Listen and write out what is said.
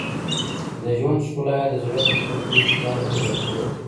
د ژوند ښکلا یې د زړه په پردو کې ځاله کړې وه.